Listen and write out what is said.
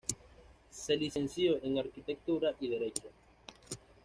Se licenció en arquitectura y derecho.